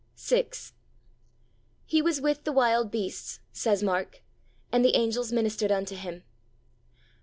VI 'He was with the wild beasts,' says Mark, 'and the angels ministered unto Him.'